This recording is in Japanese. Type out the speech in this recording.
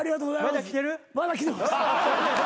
まだ着てます。